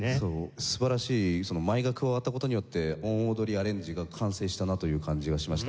素晴らしい舞が加わった事によって盆踊りアレンジが完成したなという感じがしました。